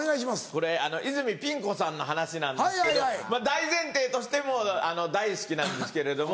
これ泉ピン子さんの話なんですけどまぁ大前提として大好きなんですけれども。